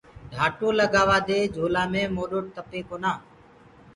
ڍآٽو لگآوآ دي جھولآ مي موڏو تپي ڪونآ۔